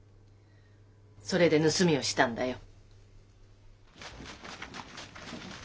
それで盗みをしたんだよ。